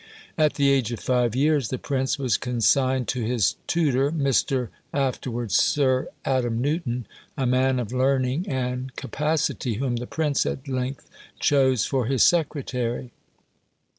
At the age of five years the prince was consigned to his tutor, Mr. (afterwards Sir) Adam Newton, a man of learning and capacity, whom the prince at length chose for his secretary.